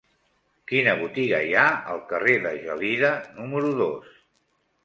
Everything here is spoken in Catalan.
Quina botiga hi ha al carrer de Gelida número dos?